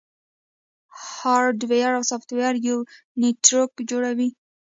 هارډویر او سافټویر یو نیټورک جوړوي.